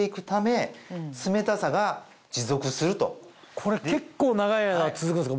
これ結構長い間続くんですか？